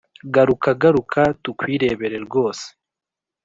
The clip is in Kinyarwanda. garuka, garuka, tukwirebere rwose!